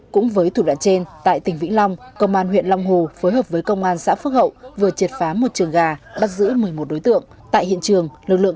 cũng với thủ đoạn trên tại tỉnh vĩnh long công an huyện long hồ phối hợp với công an xã phước hậu vừa triệt phá một trường gà bắt giữ một mươi một đối tượng tại hiện trường